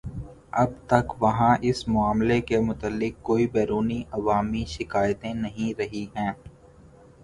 اب تک وہاں اس معاملے کے متعلق کوئی بیرونی عوامی شکایتیں نہیں رہی ہیں